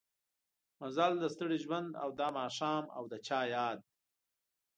مزل د ستړي ژوند او دا ماښام او د چا ياد